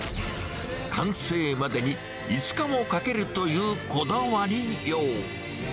完成までに５日もかけるというこだわりよう。